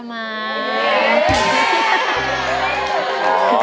แก้มขอมาสู้เพื่อกล่องเสียงให้กับคุณพ่อใหม่นะครับ